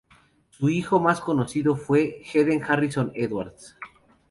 Su hijo más conocido fue Haden Harrison Edwards.